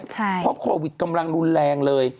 เพราะโควิดกำลังรุนแรงเลย